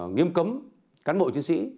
nghiêm cấm cán bộ chiến sĩ